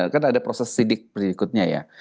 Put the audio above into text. karena ada proses sidik berikutnya ya